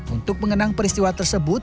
untuk mengenang peristiwa tersebut